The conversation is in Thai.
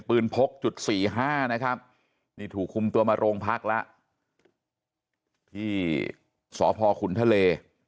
ปืนพกจุด๔๕นะครับนี่ถูกคุมตัวมาโรงพักละที่สพคุณทะเล